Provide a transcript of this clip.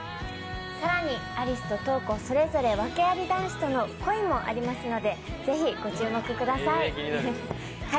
更に、有栖と瞳子それぞれ訳あり男子との恋もありますので、ぜひご注目ください。